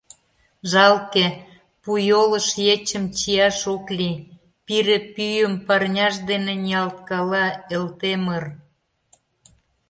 — Жалке, пу йолыш ечым чияш ок лий, — пире пӱйым парняж дене ниялткала Элтемыр.